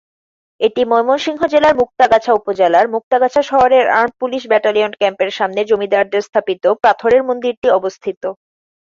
এটি ময়মনসিংহ জেলার মুক্তাগাছা উপজেলার মুক্তাগাছা শহরের আর্মড পুলিশ ব্যাটালিয়ন ক্যাম্পের সামনে জমিদারদের স্থাপিত পাথরের মন্দিরটি অবস্থিত।